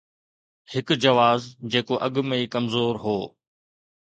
هڪ جواز جيڪو اڳ ۾ ئي ڪمزور هو.